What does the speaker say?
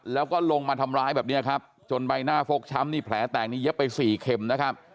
แล้วก็ลงมาทำร้ายแบบนี้ครับจนใบหน้าฟกช้ำนี่แผลแตกนี้เย็บไปสี่เข็มนะครับ